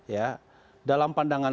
ya dalam pandangan